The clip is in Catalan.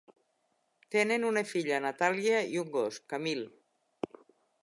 Tenen una filla, Natàlia, i un gos, Camille.